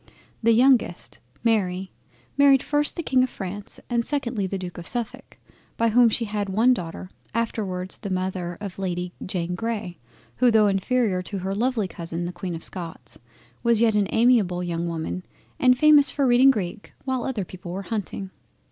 The youngest, Mary, married first the King of France and secondly the D. of Suffolk, by whom she had one daughter, afterwards the Mother of Lady Jane Grey, who tho' inferior to her lovely Cousin the Queen of Scots, was yet an amiable young woman and famous for reading Greek while other people were hunting.